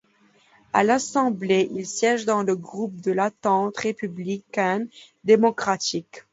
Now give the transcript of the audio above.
À l'Assemblée, il siège dans le groupe de l'Entente républicaine démocratique.